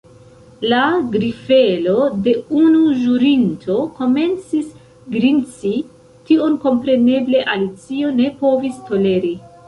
La grifelo de unu ĵurinto komencis grinci. Tion kompreneble Alicio ne povis toleri.